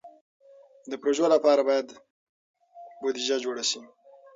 د پروژو لپاره باید بودیجه جوړه شي.